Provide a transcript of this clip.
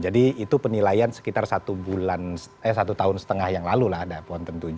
jadi itu penilaian sekitar satu tahun setengah yang lalu lah ada ponten tujuh